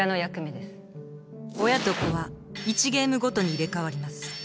親と子は１ゲームごとに入れ替わります。